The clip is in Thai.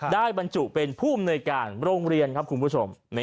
บรรจุเป็นผู้อำนวยการโรงเรียนครับคุณผู้ชม